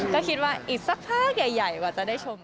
ก็คิดว่าอีกสักพักใหญ่กว่าจะได้ชม